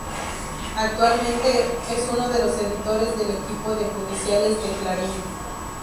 Actualmente, es uno de los editores del equipo de judiciales de Clarín.